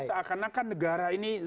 seakan akan negara ini